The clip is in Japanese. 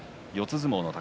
相撲の宝